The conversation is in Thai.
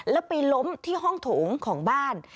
แล้วไปล้มที่ห้องโถงของบ้าน